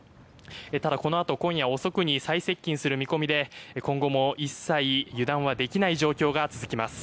ただ、このあと今夜遅くに最接近する見込みで今後も一切油断はできない状況が続きます。